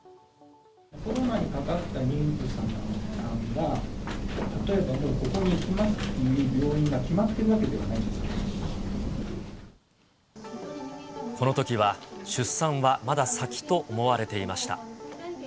コロナにかかった妊婦さんが、例えばもうここに行きますという病院が決まっているわけではないこのときは、出産はまだ先と思われていました。